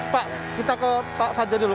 pak kita ke pak fajar dulu